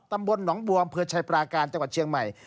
ตำบลหนองบัวอำเภอชัยปราการจังหวัดเชียงใหม่